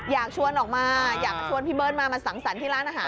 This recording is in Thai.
อยากชวนออกมาอยากมาชวนพี่เบิ้ลมามาสั่งสรรค์ที่ร้านอาหาร